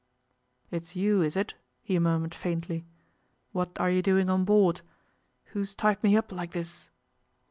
'It's you, is it?' he murmured faintly. 'What are you doing on board? Who's tied me up like this?